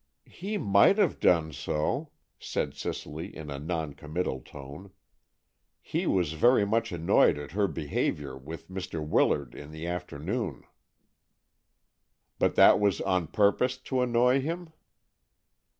"He might have done so," said Cicely in a noncommittal tone. "He was very much annoyed at her behavior with Mr. Willard in the afternoon." "But that was on purpose to annoy him?"